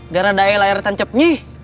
gara daya layarnya tancap nyih